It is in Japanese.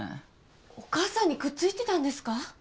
お母さんにくっついてたんですか？